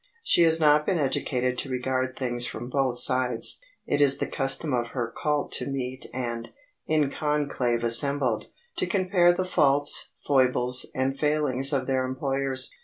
She has not been educated to regard things from both sides. It is the custom of her cult to meet and, in conclave assembled, to compare the faults, foibles and failings of their employers.